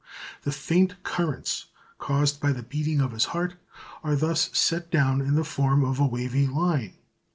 The faint currents caused by the beating of his heart are thus set down in the form of a wavy line.